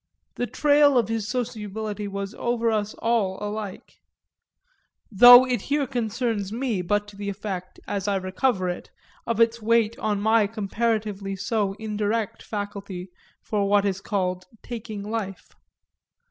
The trail of his sociability was over us all alike though it here concerns me but to the effect, as I recover it, of its weight on my comparatively so indirect faculty for what is called taking life.